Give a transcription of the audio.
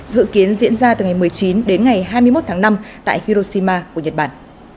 dự kiến diễn ra từ ngày một mươi chín đến ngày hai mươi một tháng năm tại hiroshima của nhật bản